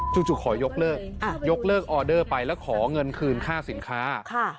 จู่ขอยกเลิกยกเลิกออเดอร์ไปแล้วขอเงินคืนค่าสินค้า